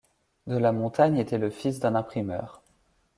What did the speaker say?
De la Montagne était le fils d'un imprimeur.